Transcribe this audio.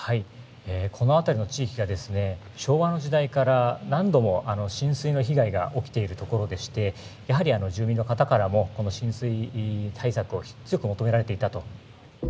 この辺りの地域が、昭和の時代から何度も浸水の被害が起きている所でして、やはり住民の方からも、この浸水対策を強く求められていたと。